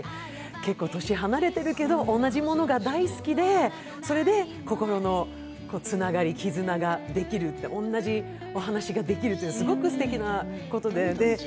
結構年が離れているけど同じものが大好きで、それで心のつながり、絆ができる、同じお話ができるって、すごくすてきなことで。